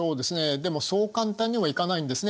でもそう簡単にはいかないんですね。